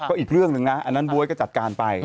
ก็อีกเรื่องหนึ่งนะอันนั้นบ๊วยก็จัดการไป